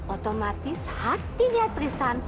otomatis hatinya tristan